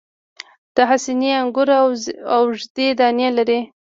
د حسیني انګور اوږدې دانې لري.